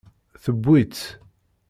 Tewwi-tt.